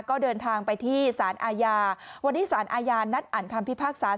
ก็เดินทางไปที่สารอาญาวันนี้สารอาญานัดอ่านคำพิพากษา